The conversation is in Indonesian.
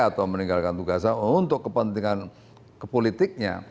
atau meninggalkan tugasan untuk kepentingan kepolitiknya